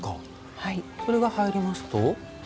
それが入りますと？